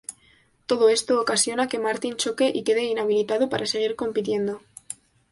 Todo esto ocasiona que Martin choque y quede inhabilitado para seguir compitiendo.